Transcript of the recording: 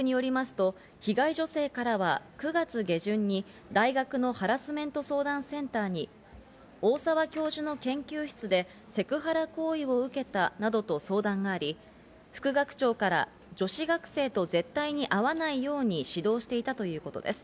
大学によりますと被害女性からは９月下旬に大学のハラスメント相談センターに大沢教授の研究室でセクハラ行為を受けたなどと相談があり、副学長から女子学生と絶対に会わないように指導していたということです。